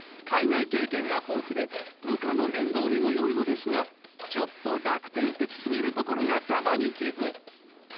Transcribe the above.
海外経験が豊富で部下の面倒見もよいのですがちょっと楽天的すぎるところが玉にきず。